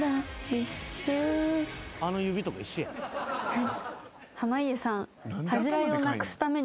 はい。